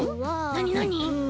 なになに？